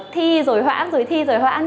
thi rồi hoãn rồi thi rồi hoãn